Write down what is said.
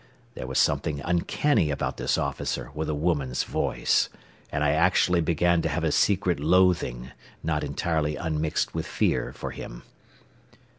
There was something uncanny about this officer with a woman's voice, and I actually began to have a secret loathing not entirely unmixed with fear for him.